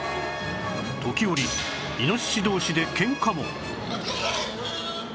時折イノシシ同士でケンカも